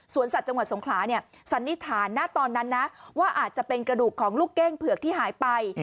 สัตว์จังหวัดสงขลาเนี่ยสันนิษฐานณตอนนั้นนะว่าอาจจะเป็นกระดูกของลูกเก้งเผือกที่หายไป